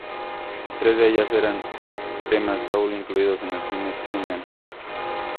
Tres de ellas eran temas soul incluidos en el filme "Tin Men".